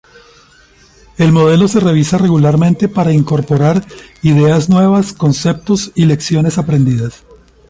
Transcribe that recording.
El modelo se revisa regularmente para incorporar ideas nuevas, conceptos y lecciones aprendidas.